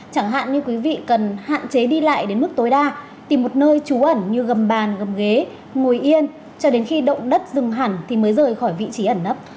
chẳng hạn như quý vị cần hạn chế đi lại đến mức tối đa tìm một nơi trú ẩn như gầm bàn gầm ghế ngồi yên cho đến khi động đất dừng hẳn thì mới rời khỏi vị trí ẩn nấp